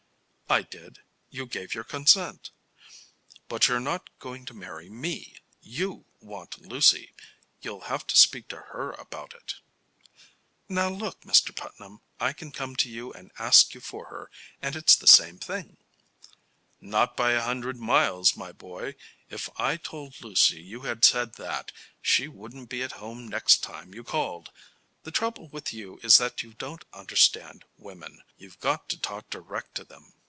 "I did. You gave your consent." "But you're not going to marry me. You want Lucy. You'll have to speak to her about it." "Now look, Mr. Putnam, I can come to you and ask you for her, and it's the same thing." "Not by a hundred miles, my boy. If I told Lucy you had said that, she wouldn't be at home next time you called. The trouble with you is that you don't understand women. You've got to talk direct to them."